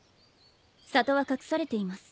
里は隠されています。